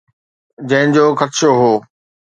جنهن جو خدشو هو.